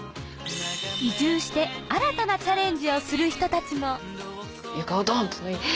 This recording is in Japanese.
移住して新たなチャレンジをする人たちも床をドンと抜いて。